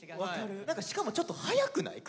何かしかもちょっと早くない？